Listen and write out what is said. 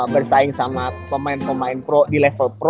bersaing sama pemain pemain pro di level pro